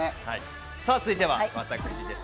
続いては私です。